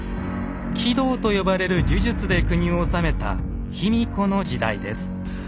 「鬼道」と呼ばれる呪術で国を治めた卑弥呼の時代です。